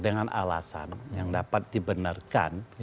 dengan alasan yang dapat dibenarkan